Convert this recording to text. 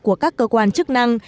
của các cơ quan chức năng